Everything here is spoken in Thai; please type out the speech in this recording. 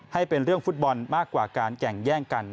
ให้เป็นเรื่องฟุตบอลมากกว่าการแก่งแย่งกัน